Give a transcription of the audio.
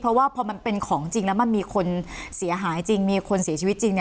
เพราะว่าพอมันเป็นของจริงแล้วมันมีคนเสียหายจริงมีคนเสียชีวิตจริง